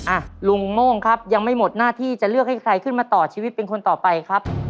อ่ะลุงโม่งครับยังไม่หมดหน้าที่จะเลือกให้ใครขึ้นมาต่อชีวิตเป็นคนต่อไปครับ